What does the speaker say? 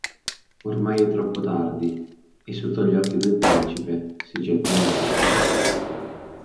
Ormai è troppo tardi e sotto gli occhi del principe, si getta in mare.